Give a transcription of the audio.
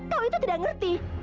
kau itu tidak ngerti